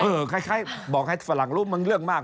เออคล้ายบอกให้ฝรั่งรู้มันเลือกมาก